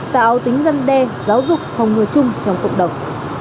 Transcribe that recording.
tạo tính dân đe giáo dục phòng ngừa chung trong cộng đồng